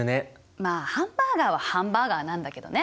まあハンバーガーはハンバーガーなんだけどね！